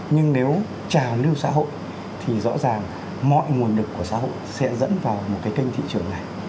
nhưng nếu trào lưu xã hội thì rõ ràng mọi nguồn lực của xã hội sẽ dẫn vào một cái kênh thị trường này